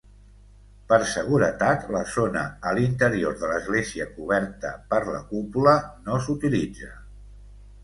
Per seguretat la zona a l'interior de l'església coberta per la cúpula no s'utilitza.